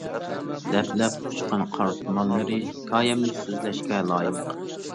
لەپ-لەپ ئۇچقان قار تۇمانلىرى ھېكايەمنى سۆزلەشكە لايىق.